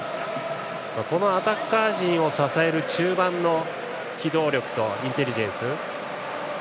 このアタッカー陣を支える中盤の機動力とインテリジェンス。